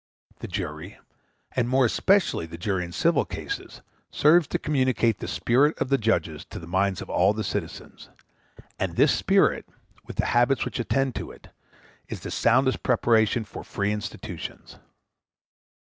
The jury, and more especially the jury in civil cases, serves to communicate the spirit of the judges to the minds of all the citizens; and this spirit, with the habits which attend it, is the soundest preparation for free institutions.